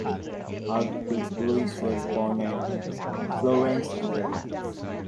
Archduke Louis was born at Florence, Italy.